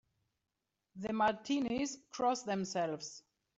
The Martinis cross themselves.